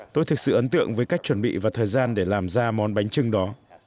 tôi thực sự ấn tượng với cách chuẩn bị và thời gian để làm ra món bánh trưng đó